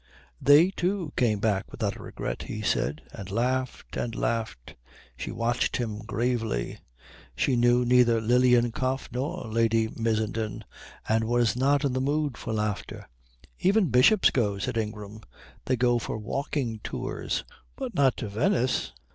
"They, too, came back without a regret," he said; and laughed and laughed. She watched him gravely. She knew neither Lilienkopf nor Lady Missenden, and was not in the mood for laughter. "Even bishops go," said Ingram. "They go for walking tours." "But not to Venice?"